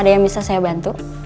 ada yang bisa saya bantu